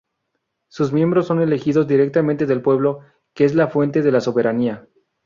Sus miembros son elegidos directamente del pueblo, que es la fuente de la soberanía.